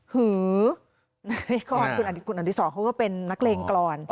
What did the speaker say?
หือนายกรคุณอดีศรเขาก็เป็นนักเลงกร